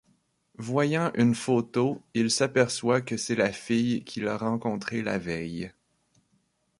Voyant une photo, il s'aperçoit que c'est la fille qu'il a rencontré la veille.